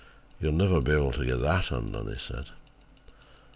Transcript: "'You will never be able to get that undone,' he said.